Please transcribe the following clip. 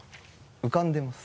浮かんでます。